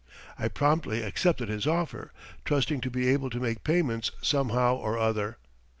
I promptly accepted his offer, trusting to be able to make payments somehow or other.